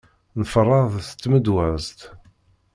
Nferreḍ s tmedwazt.